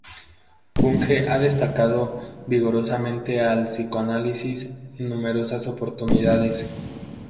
Bunge ha atacado vigorosamente al psicoanálisis en numerosas oportunidades.